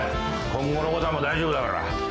今後のことはもう大丈夫だから。